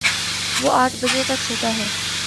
وہ آٹھ بجے تک سوتا ہے